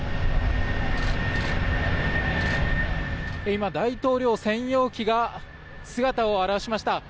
今、大統領専用機が姿を現しました。